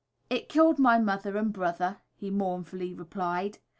"It killed my mother and brother," he mournfully replied.